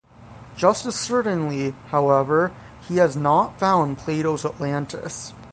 Just as certainly, however, he has not found Plato's Atlantis.